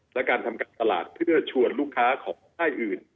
และการทำการตลาดเพื่อชวนลูกค้าของค่ายอื่น